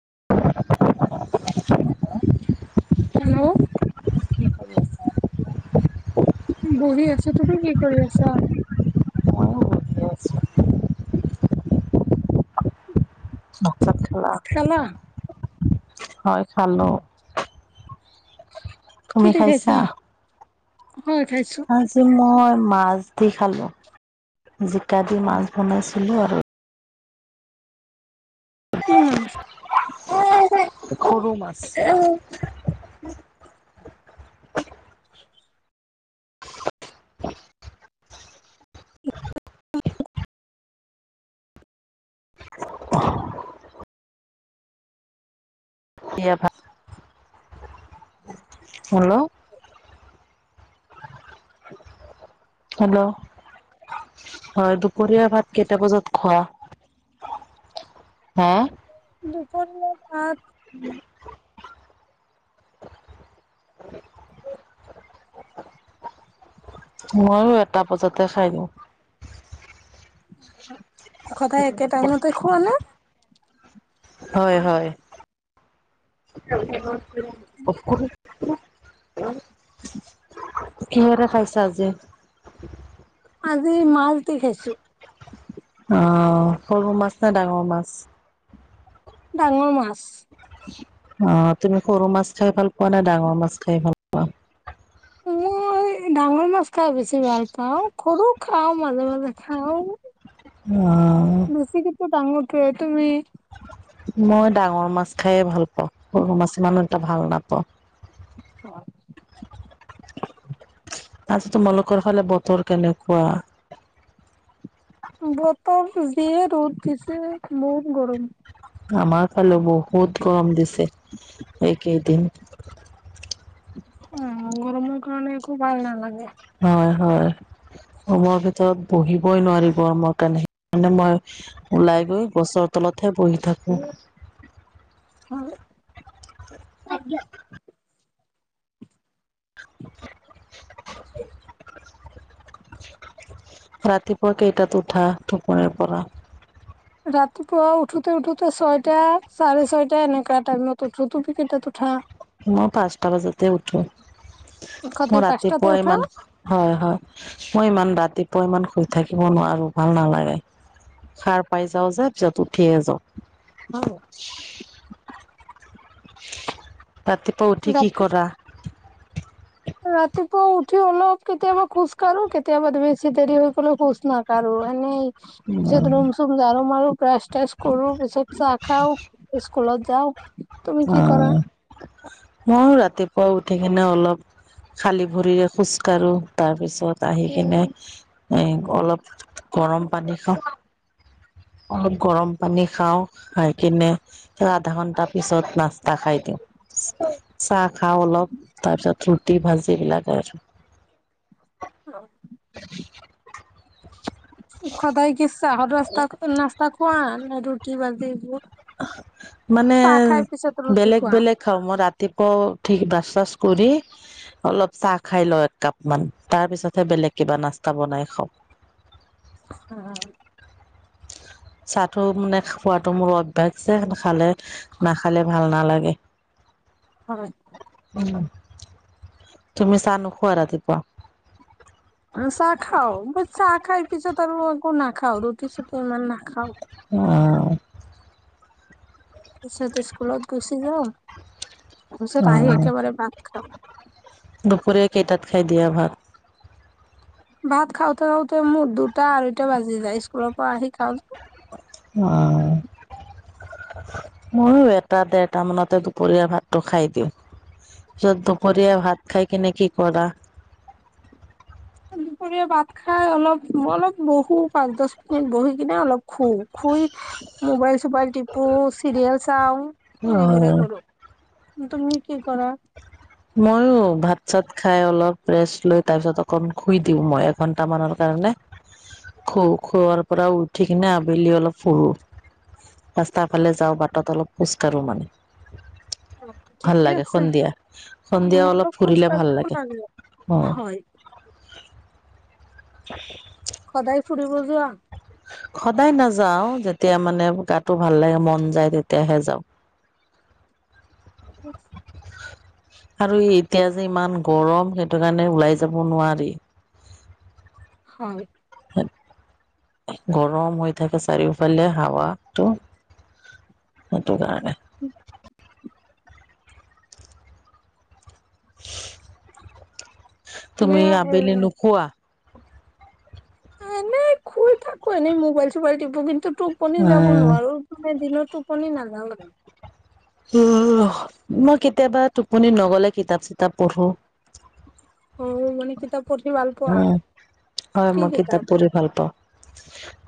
[unintelligible] Hello. কি কৰি আছা? বহি আছো তুমি কি কৰি আছা। ময়ো বহি আছো। ভাত ভাত খালা হয় খালো। কি তুমি দি খাইছা। হয় খাইছো আজি মই মাছ দি খালো জিকা দি মাছ বনাইছো। চল আৰু। কি হু। সৰু মাছ। বিয়া ভাল। হেল্ল'। হেল্ল'। হয় দুপৰীয়া ভাত কেইটা বজাত খোৱা হা। দুপৰীয়া পাত। উম [unintelligible] উ [unintelligible] ময়ো এটা বজাতে খাই দিওঁ। সদায় একে টাইমতেই খোৱা নে। হয় হয়। উ [unintelligible] কিহেৰে খাইছা আজি। আজি মাছ দি খাইছো। অ সৰু মাছ নে ডাঙৰ মাছ। ডাঙৰ মাছ। অ তুমি সৰু মাছ খাই ভাল পোৱা না ডাঙৰ মাছ খাই ভাল পোৱা। মই ডাঙৰ মাছ খাই বেছি ভাল পাওঁ। সৰু খাওঁ মাজে মাজে খাওঁ অ' বেছি কি ডাঙৰ ক তুমি মই ডাঙৰ মাছ খাই ভাল পাওঁ সৰু মাছ ইমান এটা ভাল নাপাওঁ। হয় আছ তোমালোকৰ ফালে বতৰ কেনেকুৱা? বতৰ দিয়ে ৰুদ দিছে বহুত গৰম। আমাৰ ফালে বহুত গৰম দিছে এইকেইদিন। অ' গৰমৰ কাৰণে একো ভাল নালাগে। হয় হয়। ৰোমৰৰ ভিতৰত বহিবই নোৱাৰি গৰমৰ কাৰণে, সেইকাণে মই ওলাই গৈ গছৰ তলতহে বহি থাকোঁ। হয় আ। উ [unintelligible] ৰাতিপুৱা কেইটাত উঠা টুপনীৰ পৰা? ৰাতিপুৱা উঠোতে উঠোতে ছয়টা চাৰে ছয়টা এনকোৱা টাইমত উঠো। তুমি কেইটাত উঠা? মই পাঁচটা বজাতে উঠো। মোৰ সদায় পাঁচটাতে ৰাতিপুৱা উঠা? ইমান হয় হয়। মই ইমান ৰাতিপুৱা ইমান শুই থাকিব নোৱাৰো ভাল নালাগে। সাৰ পাই যাওঁ যে পিছত উঠিয়ে যাওঁ। অ'। ৰাতিপুৱা উঠি কি ৰাতি কৰা? ৰাতিপুৱা উঠি অলপ কেতিয়াবা খোজ কাঢ়ো কেতিয়াবা বেছি দেৰি হৈ গ'লে খোজ নাকাঢ়ো। মানে পিছত ৰুম চুম ঝাৰু মাৰু, ব্ৰাছ চ্ৰাছ কৰো, পিছত চাহ খাওঁ। স্কুলত যাওঁ। তুমি কি কৰা? অ' মইও ৰাতিপুৱা উঠি কিনে অলপ, খালি ভৰিৰে খোজকাঢ়ো। তাৰপিছত আহি কিনে এ অলপ গৰম পানী খা অলপ গৰম পানী খাওঁ খাই কিনে আধা ঘন্টা পিছত নাস্তা খাই দিওঁ। চাহ খাওঁ অলপ তাৰপিছত ৰুটি ভাজি এবিলাকে আৰু অ' সদায় কি চাহৰ ৰাস্তা নাস্তা খোৱা ন ৰুটি বাজি এইবোৰ? মানে চাহ খাই পিছত ৰুটি বেলেগ খোৱা? বেলেগ খাওঁ। মই ৰাতিপুৱাও ঠিক ব্ৰাছ চ্ৰাছ কৰি অলপ চাহ খাই লওঁ। এক কাপ মান তাৰ পিছতহে বেলেগ কিবা নাস্তা বনাই খাওঁ। অ' চাটো মানে খোৱাতটো মোৰ অভ্যাস যে, খালে নাখালে ভাল ভাল নালাগে। হয়। তুমি চা নোখোৱা ৰাতিপুৱা? অ' চাহ খাওঁ, বা চাহ খাই পিছত আৰু খাওঁ ৰুটি চুটি ইমান নাখাওঁ। তাৰপিছাতে স্কুলত গুচি যাওঁ। তাৰপিছত আহি একেবাৰে ভাত খাওঁ। দুপৰীয়া কেইটাত খাই দিয়া ভাত? ভাত খাওঁতে খাওঁতে মোৰ দুটা আঢ়ৈটা বাজি যায়। স্কুলৰ পৰা আহি খাওঁ যে অ' ময়ো এটা ডেৰটা মানতে দুপৰীয়াৰ ভাতটো খাই দিওঁ। পিছত দুপৰীয়া ভাত খাই কিনে কি কৰা? [inaudible] দুপৰীয়া ভাত খাই অলপ অলপ বহো পাঁচ দচ মিনিট বহি কিনে অলপ খু, খুই মোবাইল চুবাইল টিপো, চিৰিয়েল চাওঁ, এইবোৰে কৰোঁ। তুমি কি কৰা? মইওঁ ভাত চাত খাই অলপ ৰেষ্ট লৈ তাৰপিছত অকন খুই দিওঁ মই এঘন্টা মানৰ কাৰনে। কাৰনে খু, খোৱাৰ পৰা উঠি কিনে আবেলি অলপ ফুৰো। ৰাস্তাৰ ফালে যাওঁ বাটত অলপ খোজকাঢ়োঁ মানে। অ ভাল ঠিকেই লাগে আছে। সন্ধিয়া উ সন্ধিয়া অলপ ফুৰিলে ভাল খোজকাঢ়িবও লাগে অ হয়। [inaudible] সদায় ফুৰিব যোৱা। সদায় নাযাও যেতিয়া মানে গাটো ভাল লাগে মন যায় তেতিয়াহে যাওঁ। [inaudible] আৰু এতিয়া যে ইমান গৰম সেইটো কাৰণে ওলাই যাব নোৱাৰি। হয়। গৰম হৈ থাকে চাৰিওফালে হাৱাটো। সেইটো কাৰণে। তুমি আবেলি এনে নোকোৱা। এনেই শুই থাকো এনেই মোবাইল চোবাইল তিপো কিন্তু টোপনি যাব উম নোৱাৰো মানে দিনত। টোপনি নাযাওঁ। উম মই কেতিয়াবা টোপনি নগলে কিতাপ চিতাপ পঢ়ো। অ মানে কিতাপ পঢ়ি ভাল পোৱা? উম হয় মই কিতাপ পঢ়ি ভাল পাওঁ।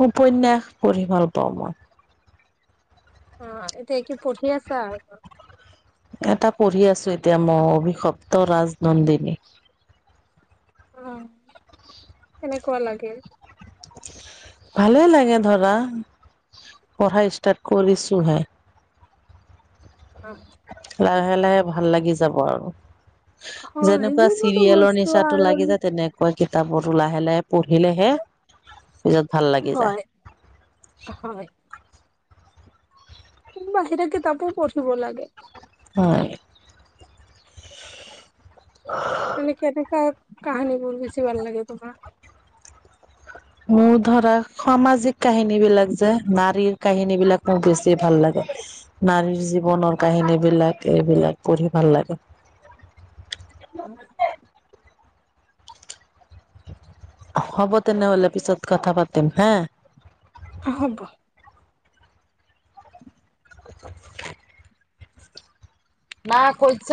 উপন্যাস পঢ়ি ভাল পাওঁ মই। অ এতিয়া কি পঢ়ি আছা আৰু। এটা পঢ়ি আছো এতিয়া মই অভিশপ্ত ৰাজনন্দিনী। অ কেনেকুৱা লাগে? ভালে লাগে ধৰা। পঢ়া ষ্টাৰ্ট কৰিছো হে। অ লাহে লাহে ভাল লাগি যাব আৰু। হয় যেনেকুৱা যিকোনো চিৰিয়েলৰ বস্তু নিচাতো আৰাম লাগি যায় তেনেকুৱা কিতাপৰো লাহে লাহে পঢ়িলেহে পিছত ভাল লাগি যায়। হয় হয় কিন্তু বাহিৰা কিতাপো পঢ়িব লাগে। হয়। কাহানী বোৰ বেছি ভাল লাগে তোমাৰ। মোৰ ধৰা সমাজিক কাহিনী বিলাক যে নাৰীৰ। কাহিনী বিলাক মোৰ বেছি ভাল লাগে, নাৰীৰ জীৱনৰ কাহিনী বিলাক এইবিলাক পঢ়ি ভাল ভাল লাগে। [inaudible] উম। হ'ব তেনেহলে পিছত কথা পাতিম হা। অ হ'ব। [inaudible] না কৈছে।